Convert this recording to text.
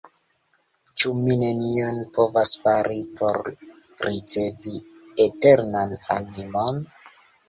Ĉu mi nenion povas fari, por ricevi eternan animon?